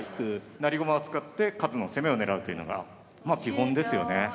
成り駒を使って数の攻めを狙うというのがまあ基本ですよね。